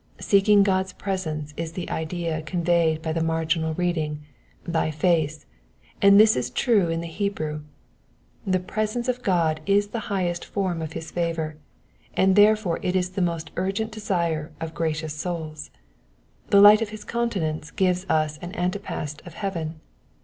Seeking God's presence is the idea conveyed by the marginal reading, thy face," and this is true to the Hebrew. The presence of God is the highest form of his favour, and therefore it is the most urgent desire of gracious souls : the light of his countenance gives us an antepast of heaven.